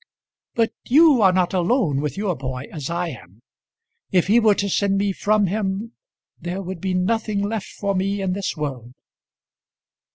"But you are not alone with your boy as I am. If he were to send me from him, there would be nothing left for me in this world."